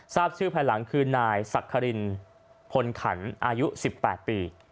ทราบชื่อภายหลังคือนายสักครินพลขันอายุ๑๘ปี